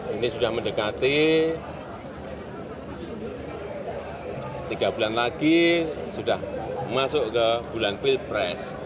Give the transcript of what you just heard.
ini sudah mendekati tiga bulan lagi sudah masuk ke bulan pilpres